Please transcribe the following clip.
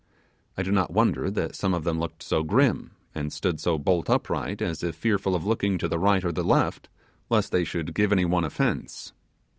I do not wonder that some of them looked so grim, and stood so bolt upright as if fearful of looking to the right or the left lest they should give any one offence.